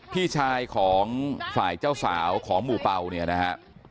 พี่ชายของฝ่ายเจ้าสาวของหมู่เป่าเนี่ยนะฮะ